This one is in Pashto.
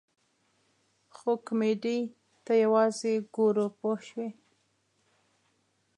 خو کمیډۍ ته یوازې ګورو پوه شوې!.